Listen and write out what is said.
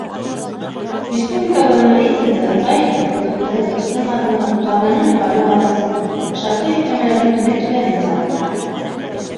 Республикабыҙ рейтингы ыңғай ликвидлыҡты, бурыстың аҙлығын, ҡаҙнаның юғары балансын, шартлы йөкләмәләрҙең түбән кимәлен сағылдыра.